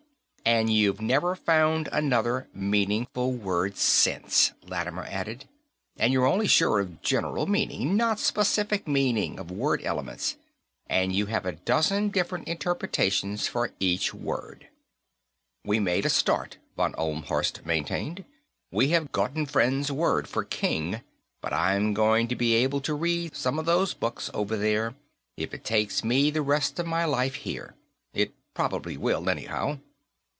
"And you've never found another meaningful word since," Lattimer added. "And you're only sure of general meaning, not specific meaning of word elements, and you have a dozen different interpretations for each word." "We made a start," von Ohlmhorst maintained. "We have Grotefend's word for 'king.' But I'm going to be able to read some of those books, over there, if it takes me the rest of my life here. It probably will, anyhow."